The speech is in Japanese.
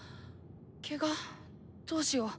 ケガどうしよう。